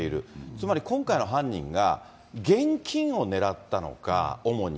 つまり今回の犯人が、現金を狙ったのか、主に。